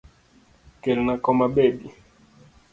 Kelna kom abedi.